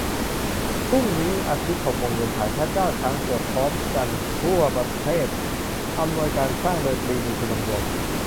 พรุ่งนี้ อาทิตย์ หกโมงเย็น ฉาย "พระเจ้าช้างเผือก" พร้อมกันทั่วประเทศ อำนวยการสร้างโดย ปรีดี พนมยงค์